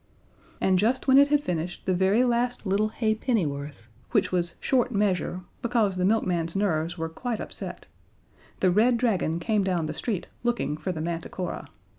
And just when it had finished the very last little halfpenny worth, which was short measure, because the milkman's nerves were quite upset, the Red Dragon came down the street looking for the Manticora.